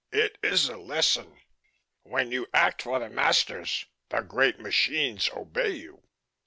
"It is a lesson. When you act for the masters, the great machines obey you."